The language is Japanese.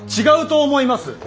違うと思います。